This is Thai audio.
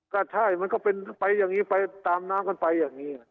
ก็ใช่มันก็เป็นไปอย่างนี้ไปตามน้ำกันไปอย่างนี้